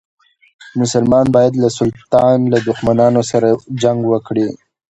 مسلمان باید له سلطان له دښمنانو سره جنګ وکړي.